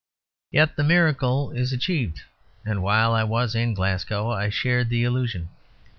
Yet the miracle is achieved; and while I was in Glasgow I shared the illusion.